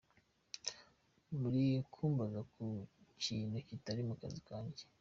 Murikumbaza ku kintu kitari mu kazi kanjye.